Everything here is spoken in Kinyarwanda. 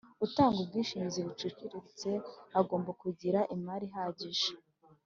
Utanga ubwishingizi buciriritse agomba kugira imari ihagije